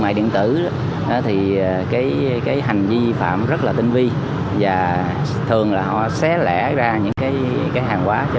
mại điện tử thì cái hành vi phạm rất là tinh vi và thường là họ xé lẻ ra những cái hàng quá